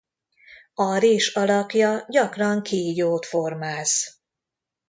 A rés alakja gyakran kígyót formáz.